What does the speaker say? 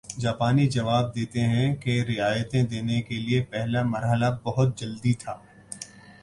جاپانی جواب دیتے ہیں کہ رعایتیں دینے کے لیے پہلا مرحلہ بہت جلدی تھا